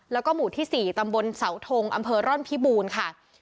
แล้วก็หมู่ที่๔ตำบลเสาทงอำเภอร่อนพิบูรณ์ค่ะ